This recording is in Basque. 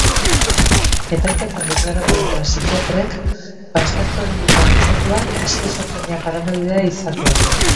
Epaiketan deklaratu duten psikiatrek baztertu egin dute akusatuak eskizofrenia paranoidea izatea.